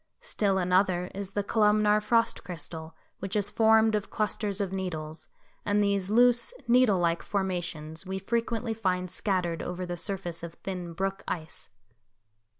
Still another is the columnar frost crystal, which is formed of clusters of needles, and these loose, needle like formations we frequently find scattered over the surface of thin brook ice.